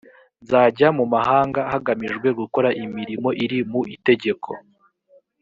nzajya mu mahanga hagamijwe gukora imirimo iri mu itegeko